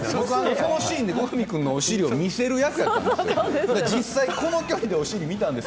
そのシーンで後上君のお尻を見せるシーンだったんです。